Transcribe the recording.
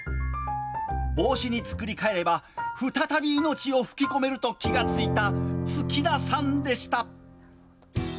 帽子に作り変えれば再び命を吹き込めると気がついた月田さんでした。